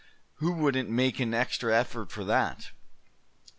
Who wouldn't make an extra effort for that?"